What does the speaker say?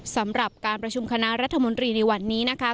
สำหรับการประชุมคณะรัฐมนตรีในวันนี้นะคะ